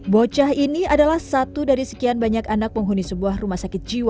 bocah ini adalah satu dari sekian banyak anak penghuni sebuah rumah sakit jiwa